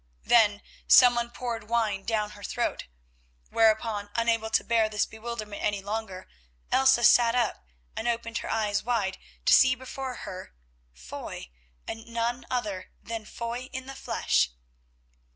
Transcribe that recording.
Then someone poured wine down her throat, whereupon, unable to bear this bewilderment any longer, Elsa sat up and opened her eyes wide, to see before her Foy, and none other than Foy in the flesh.